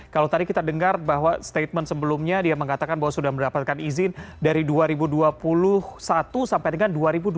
kalau tadi kita dengar bahwa statement sebelumnya dia mengatakan bahwa sudah mendapatkan izin dari dua ribu dua puluh satu sampai dengan dua ribu dua puluh dua